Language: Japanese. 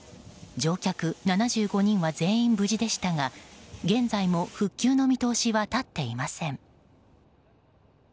乗客７５人は全員無事でしたが現在も復旧の見通しは立っていません。